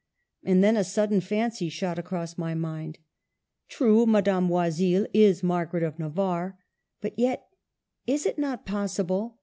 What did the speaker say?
And then a sudden fancy shot across my mind. True, Madame Oisille is Margaret of Navarre. But yet, — is it not possible?